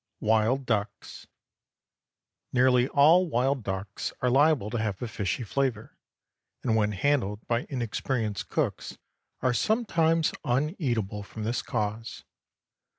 WILD DUCKS. Nearly all wild ducks are liable to have a fishy flavor, and when handled by inexperienced cooks, are sometimes uneatable from this cause.